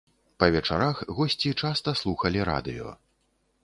Па вечарах госці часта слухалі радыё.